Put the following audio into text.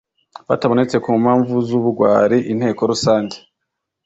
Batabonetse ku mpanvu z ubugwari inteko rusange